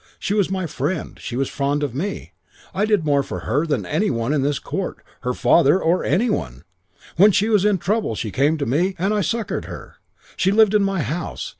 She was my friend. She was fond of me. I did more for her than any one in this court her father or any one. When she was in trouble she came to me and I succoured her. She lived in my house.